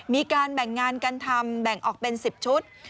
มีการแบ่งงานกันทำแบ่งออกเป็น๑๐ชุด